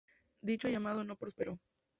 Dicho llamado no prosperó.